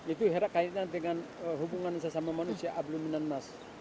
itu herak kaitannya dengan hubungan sesama manusia abluminan mas